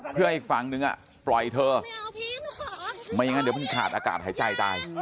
เพื่อให้อีกฝั่งนึงปล่อยเธอไม่อย่างนั้นเดี๋ยวมันขาดอากาศหายใจตาย